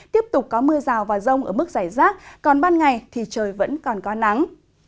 tiếp tục có mưa rào và rông ở mức giải rác còn ban ngày thì trời vẫn còn có nắng